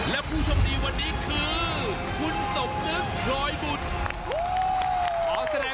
แล้วผู้ชมดีวันนี้คือ